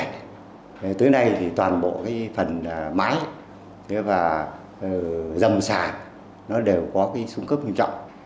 thế tới nay thì toàn bộ cái phần mái và dầm xà nó đều có cái xuống cấp hiểm trọng